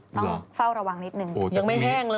ต้องเฝ้าระวังนิดนึงยังไม่แห้งเลย